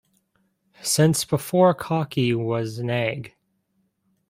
Since before cocky was an egg.